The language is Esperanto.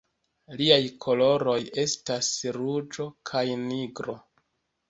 Liaj koloroj estas ruĝo kaj nigro.